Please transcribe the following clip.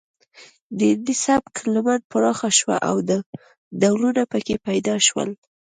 د هندي سبک لمن پراخه شوه او ډولونه پکې پیدا شول